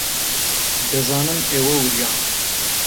دەزانم ئێوە وریان.